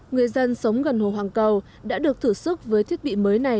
người dân sống gần hồ hoàng cầu đã được thử sức với thiết bị mới này